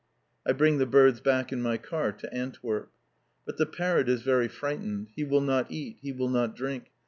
I bring the birds back in my car to Antwerp. But the parrot is very frightened. He will not eat. He will not drink.